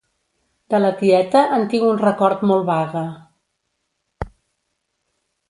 De la tieta en tinc un record molt vague.